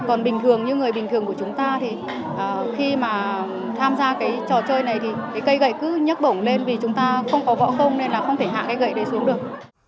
còn bình thường như người bình thường của chúng ta thì khi mà tham gia cái trò chơi này thì cái cây gậy cứ nhấc bổng lên vì chúng ta không có võ công nên là không thể hạ cái gậy này xuống được